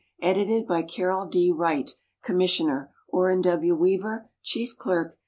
Edited by Carroll D. Wriglit, Commissioner ; Oren W. Weaver, Chief Clerk.